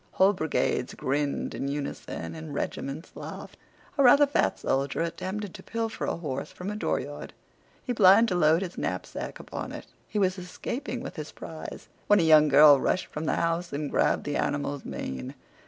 Whole brigades grinned in unison, and regiments laughed. A rather fat soldier attempted to pilfer a horse from a dooryard. He planned to load his knapsack upon it. He was escaping with his prize when a young girl rushed from the house and grabbed the animal's mane.